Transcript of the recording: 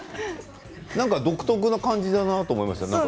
独特な感じだなと思いました。